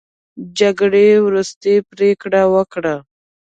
جرګې وروستۍ پرېکړه وکړه.